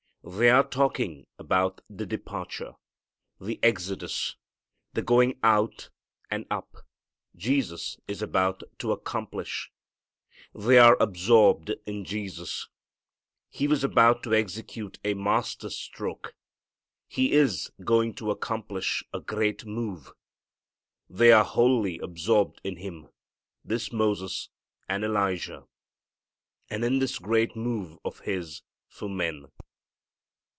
They are talking about the departure, the exodus, the going out and up, Jesus is about to accomplish. They are absorbed in Jesus. He was about to execute a master stroke. He is going to accomplish a great move. They are wholly absorbed in Him, this Moses, and Elijah, and in this great move of His for men.